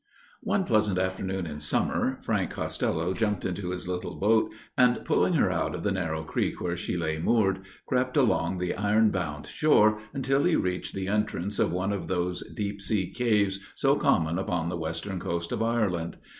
One pleasant afternoon in summer, Frank Costello jumped into his little boat, and pulling her out of the narrow creek where she lay moored, crept along the iron bound shore until he reached the entrance of one of those deep sea caves, so common upon the western coast of Ireland.